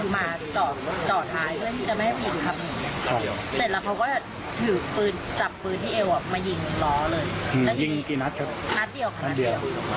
นัดเดียวค่ะนัดเดียว